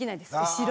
後ろ。